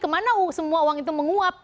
kemana semua uang itu menguap